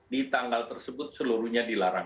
di tanggal tersebut seluruhnya dilarang